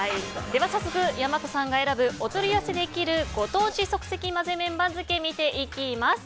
早速、大和さんが選ぶお取り寄せできるご当地即席まぜ麺番付見ていきます。